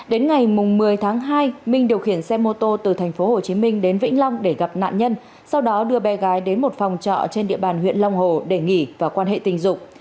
đến ngày một mươi tháng hai minh điều khiển xe mô tô từ tp hcm đến vĩnh long để gặp nạn nhân sau đó đưa bé gái đến một phòng trọ trên địa bàn huyện long hồ để nghỉ và quan hệ tình dục